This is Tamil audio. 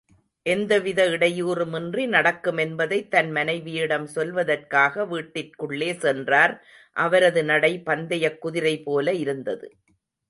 எந்தவித இடையூறின்றி நடக்கும் என்பதைத் தன் மனைவியிடம் சொல்வதற்காக, வீட்டிற்குள்ளே சென்றார், அவரது நடை பந்தயக் குதிரைபோல இருந்தது.